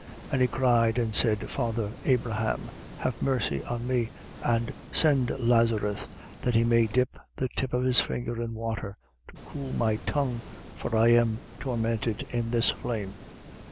And he cried and said: Father Abraham, have mercy on me and send Lazarus, that he may dip the tip of his finger in water to cool my tongue: for I am tormented in this flame.